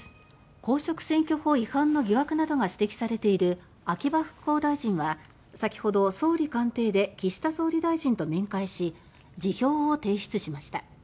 公職選挙法違反の疑惑などが指摘されている秋葉復興大臣は、先ほど総理官邸で岸田総理大臣と面会し辞表を提出しました。